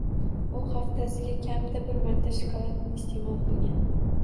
U haftasiga kamida bir marta shokolad isteʼmol qilgan.